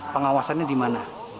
pengawasannya di mana